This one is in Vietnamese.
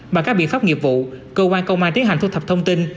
bằng các biện pháp nghiệp vụ cơ quan công an tiến hành thu thập thông tin